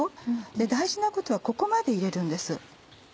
大事なことはここまで入れるんです。